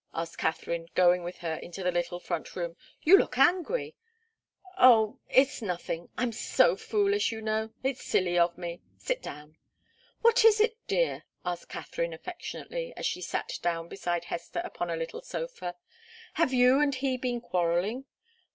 asked Katharine, going with her into the little front room. "You look angry." "Oh it's nothing! I'm so foolish, you know. It's silly of me. Sit down." "What is it, dear?" asked Katharine, affectionately, as she sat down beside Hester upon a little sofa. "Have you and he been quarrelling?"